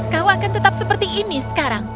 kau akan tetap seperti ini sekarang